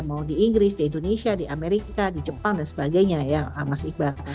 mau di inggris di indonesia di amerika di jepang dan sebagainya ya mas iqbal